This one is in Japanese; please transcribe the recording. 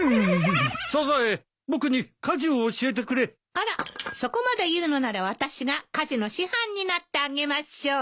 あらそこまで言うのなら私が家事の師範になってあげましょう。